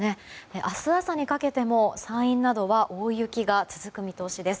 明日朝にかけても山陰などは大雪が続く見通しです。